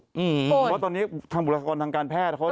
เพราะตอนนี้ทำบุรกรรมทางการแพทย์